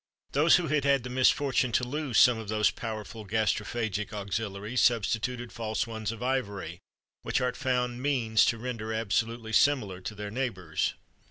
Those who had had the misfortune to lose some of those powerful gastrophagic auxiliaries substituted false ones of ivory, which art found means to render absolutely similar to their neighbours.